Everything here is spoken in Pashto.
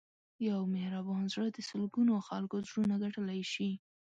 یو مهربان زړه د سلګونو خلکو زړونه ګټلی شي.